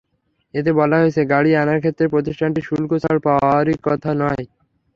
এতে বলা হয়েছে, গাড়ি আনার ক্ষেত্রে প্রতিষ্ঠানটি শুল্কছাড় পাওয়ারই কথা নয়।